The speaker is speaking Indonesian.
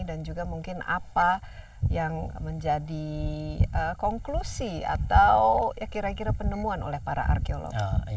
dan juga mungkin apa yang menjadi konklusi atau ya kira kira penemuan oleh para arkeolog